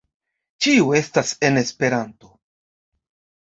Ĉio estas en Esperanto